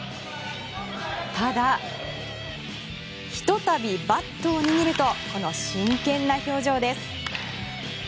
ただ、ひと度バットを握るとこの真剣な表情です。